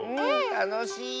たのしい！